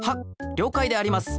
りょうかいであります。